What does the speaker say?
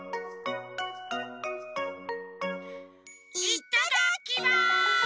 いただきます！